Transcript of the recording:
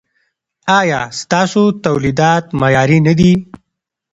ایا ستاسو تولیدات معیاري نه دي؟